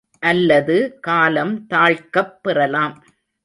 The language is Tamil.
அல்லது காலம் தாழ்க்கப் பெறலாம்.